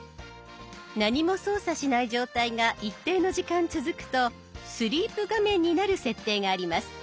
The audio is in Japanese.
何も操作しない状態が一定の時間続くとスリープ画面になる設定があります。